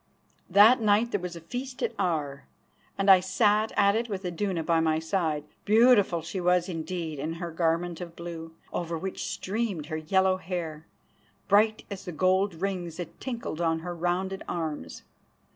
That night there was a feast at Aar, and I sat at it with Iduna by my side. Beautiful she was indeed in her garment of blue, over which streamed her yellow hair, bright as the gold rings that tinkled on her rounded arms.